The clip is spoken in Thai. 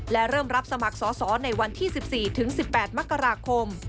และเริ่มรับสมัครสอสอในวันที่๑๔ถึง๑๘มกราคม